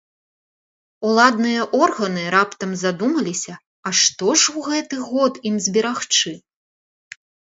Уладныя органы раптам задумаліся, а што ж у гэты год ім зберагчы?